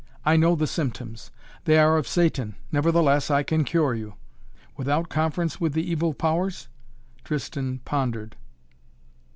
"I know the symptoms they are of Satan. Nevertheless, I can cure you." "Without conference with the evil powers?" Tristan pondered.